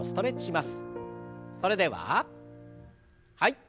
それでははい。